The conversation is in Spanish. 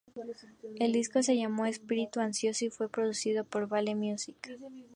El disco se llamó Espíritu ansioso y fue producido por "Vale Music".